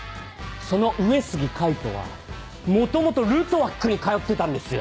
その上杉海斗は元々ルトワックに通ってたんですよ。